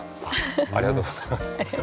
ありがとうございます。